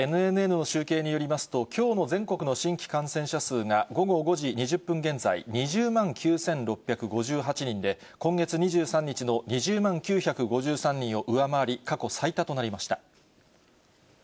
ＮＮＮの集計によりますと、きょうの全国の新規感染者数が、午後５時２０分現在、２０万９６５８人で、今月２３日の２０万９５３人を上回り、過去最多となりました。